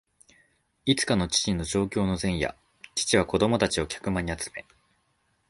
いつかの父の上京の前夜、父は子供たちを客間に集め、